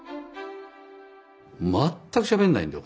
全くしゃべんないんだよ